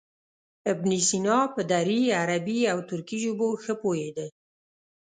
ابن سینا په دري، عربي او ترکي ژبو ښه پوهېده.